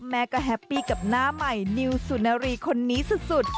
แม่ก็แฮปปี้กับหน้าใหม่นิวสุนารีคนนี้สุด